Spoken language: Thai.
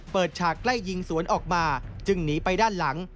ฉากไล่ยิงสวนออกมาจึงหนีไปด้านหลัง